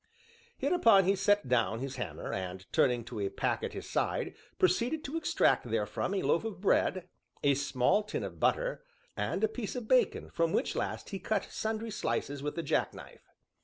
Hereupon he set down his hammer, and, turning to a pack at his side, proceeded to extract therefrom a loaf of bread, a small tin of butter, and a piece of bacon, from which last he cut sundry slices with the jack knife.